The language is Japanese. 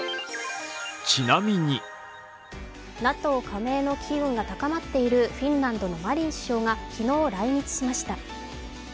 ＮＡＴＯ加盟の機運が高まっているフィンランドのマリン首相が昨日、来日しました。